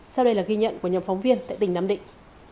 sau đây là ghi nhận của nhóm phóng viên tại tỉnh nam định